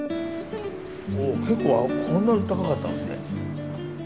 お結構こんなに高かったんですね。